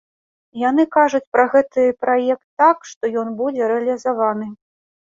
Яны кажуць пра гэты праект так, што ён будзе рэалізаваны.